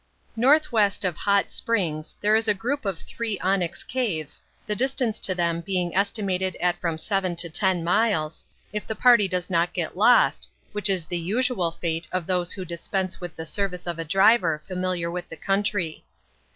Northwest of Hot Springs there is a group of three onyx caves, the distance to them being estimated at from seven to ten miles, if the party does not get lost, which is the usual fate of those who dispense with the service of a driver familiar with the country.